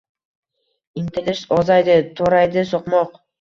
Intilish ozaydi — toraydi so‘qmoq.